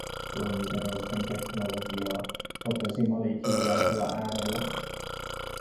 "Lonkeroisten teknologiaa", totesi Malik hiljaisella äänellä.